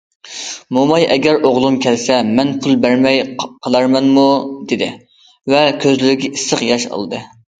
موماي ئەگەر ئوغلۇم كەلسە مەن پۇل بەرمەي قالارمەنمۇ؟ دېدى ۋە كۆزلىرىگە ئىسسىق ياش ئالدى.